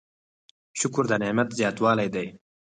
شکر د نعمت زیاتوالی دی؟